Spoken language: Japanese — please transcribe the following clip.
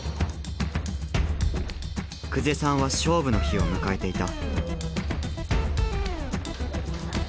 久世さんは勝負の日を迎えていた。